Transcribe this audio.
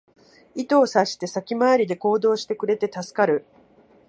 意図を察して先回りで行動してくれて助かる